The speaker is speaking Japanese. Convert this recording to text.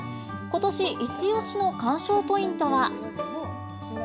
ことし一押しの観賞ポイントは。